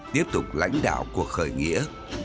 tiếp tục lãnh đạo cuộc khởi nghĩa